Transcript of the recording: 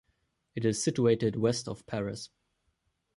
It is situated west of Paris.